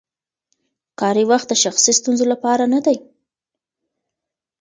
کاري وخت د شخصي ستونزو لپاره نه دی.